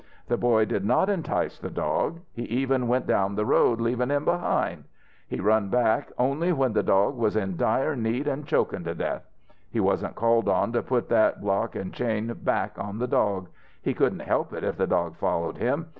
The boy did not entice the dog. He even went down the road, leavin' him behind. He run back only when the dog was in dire need an' chokin' to death. He wasn't called on to put that block an' chain back on the dog. He couldn't help it if the dog followed him.